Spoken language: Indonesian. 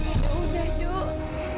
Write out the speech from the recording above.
udah udah duk